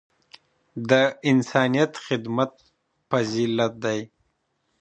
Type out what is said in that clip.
د انسانیت خدمت فضیلت دی.